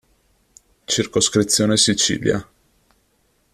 Circoscrizione Sicilia